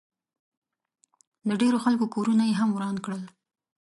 د ډېرو خلکو کورونه ئې هم وران کړل